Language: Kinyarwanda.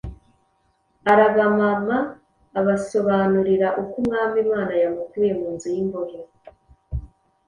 Arabamama, abasobanurira uko Umwami Imana yamukuye mu nzu y’imbohe.».